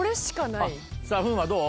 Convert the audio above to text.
さぁ風磨どう？